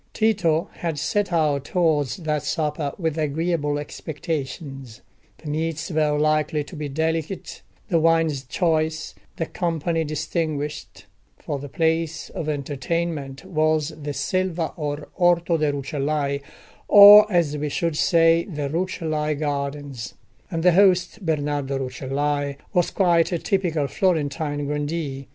Tito had set out towards that supper with agreeable expectations. The meats were likely to be delicate, the wines choice, the company distinguished; for the place of entertainment was the Selva or Orto de' Rucellai, or, as we should say, the Rucellai Gardens; and the host, Bernardo Rucellai, was quite a typical Florentine grandee.